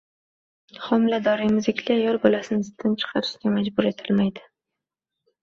Homilador emizikli ayol bolasini sutdan chiqarishga majbur etilmaydi.